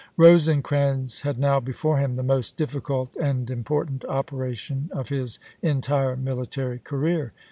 Rosecrans had now before him the most difficult and important operation of his entire military career.